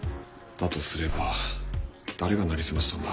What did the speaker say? だとすれば誰が成り済ましたんだ？